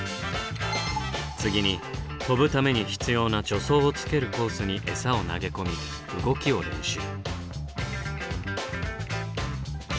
次に跳ぶために必要な助走をつけるコースにエサを投げ込み動きを練習。